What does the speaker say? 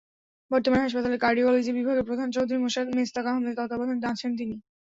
বর্তমানে হাসপাতালের কার্ডিওলজি বিভাগের প্রধান চৌধুরী মেশকাত আহমেদের তত্ত্বাবধানে আছেন তিনি।